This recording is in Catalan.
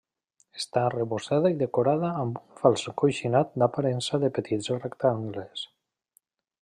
Està arrebossada i decorada amb un fals encoixinat d'aparença de petits rectangles.